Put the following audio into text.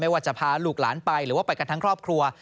ไม่ว่าจะพาลูกหลานหรือไปกับครอบครัว